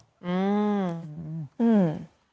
อืม